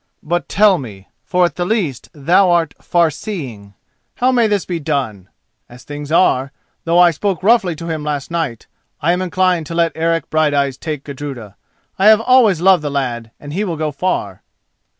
But tell me, for at the least thou art far seeing, how may this be done? As things are, though I spoke roughly to him last night, I am inclined to let Eric Brighteyes take Gudruda. I have always loved the lad, and he will go far."